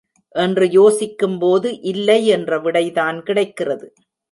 என்று யோசிக்கும் போது இல்லை என்ற விடைதான் கிடைக்கிறது.